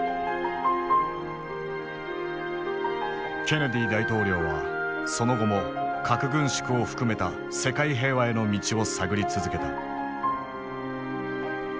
ケネディ大統領はその後も核軍縮を含めた世界平和への道を探り続けた。